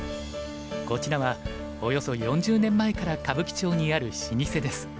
こちらはおよそ４０年前から歌舞伎町にある老舗です。